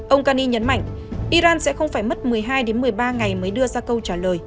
ông kani nhấn mạnh iran sẽ không phải mất một mươi hai một mươi ba ngày mới đưa ra câu trả lời